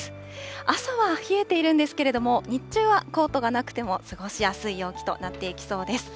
朝は冷えているんですけれども、日中はコートがなくても過ごしやすい陽気となっていきそうです。